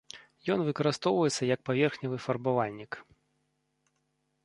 Ён выкарыстоўваецца як паверхневы фарбавальнік.